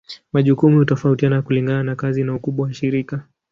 Majukumu hutofautiana kulingana na kazi na ukubwa wa shirika.